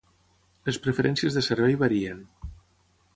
Les preferències de servei varien.